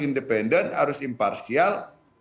independent harus imparsial